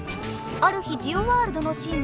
ある日ジオワールドのシンボル